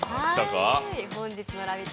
本日のラヴィット！